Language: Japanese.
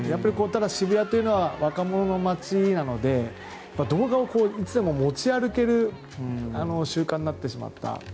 渋谷というのは若者の街なので動画をいつでも持ち歩ける習慣になってしまった。